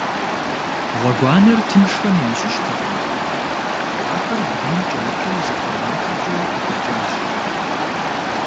Гъуэгуанэр тыншхэм ящыщтэкъым - ахэр бгым кӏэрыту зы километркӏэ дэкӏащ.